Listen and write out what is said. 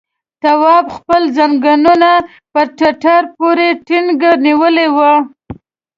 تواب خپل ځنګنونه پر ټټر پورې ټينګ نيولي وو.